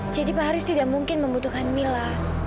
jadi pak haris tidak mungkin membutuhkan mila